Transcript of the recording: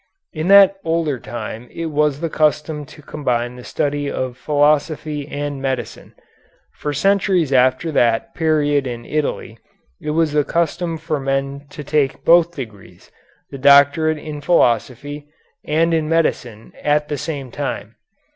In that older time it was the custom to combine the study of philosophy and medicine. For centuries after that period in Italy it was the custom for men to take both degrees, the doctorate in philosophy and in medicine at the same time.